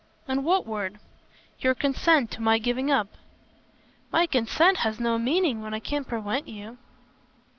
"And what word?" "Your consent to my giving up." "My consent has no meaning when I can't prevent you."